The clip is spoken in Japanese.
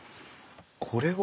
これは？